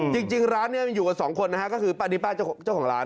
จริงร้านนี้มันอยู่กับสองคนนะฮะก็คือป้านีป้าเจ้าของร้าน